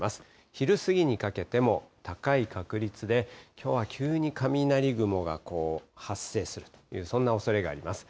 昼過ぎにかけても高い確率で、きょうは急に雷雲が発生するという、そんなおそれがあります。